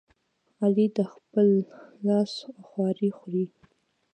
علي د خپل لاس خواري خوري.